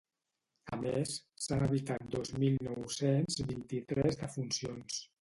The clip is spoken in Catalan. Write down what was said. A més, s’han evitat dos mil nou-cents vint-i-tres defuncions.